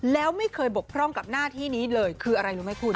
แล้วไม่เคยบกพร่องกับหน้าที่นี้เลยคืออะไรรู้ไหมคุณ